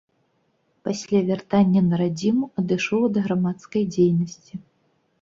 Пасля вяртання на радзіму адышоў ад грамадскай дзейнасці.